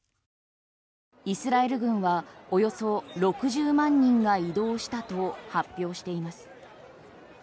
イスラエル軍はおよそ６０万人が移動したと発表しています。